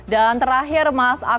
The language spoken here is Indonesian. dan terakhir mas atmi